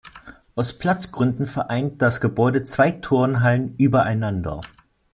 Aus Platzgründen vereint das Gebäude zwei Turnhallen übereinander.